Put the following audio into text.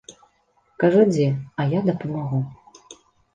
Кажы дзе, а я дапамагу.